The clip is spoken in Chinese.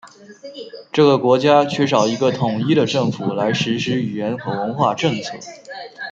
这个国家缺少一个统一的政府来实施语言和文化政策。